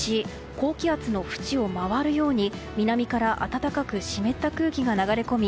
高気圧のふちを回るように南から暖かく湿った空気が流れ込み